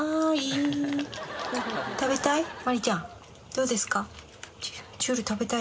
どうですか？